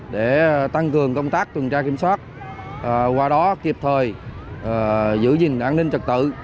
để tăng cường công tác tuần tra kiểm soát qua đó kịp thời giữ gìn an ninh trật tự